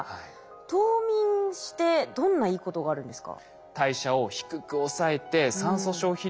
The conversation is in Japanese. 冬眠してどんないいことがあるんですか？